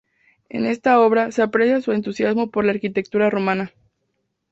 En esta obra se aprecia su entusiasmo por la arquitectura romana.